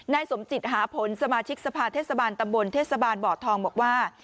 สมจิตหาผลสมาชิกสภาเทศบาลตำบลเทศบาลบ่อทองบอกว่า